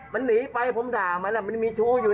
มันหนีไป